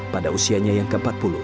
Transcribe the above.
pada usianya yang ke empat puluh